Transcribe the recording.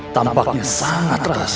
tampaknya sangat rahasia